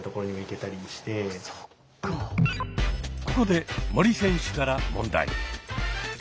ここで森選手から問題。